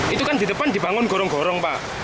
itu kan di depan dibangun gorong gorong pak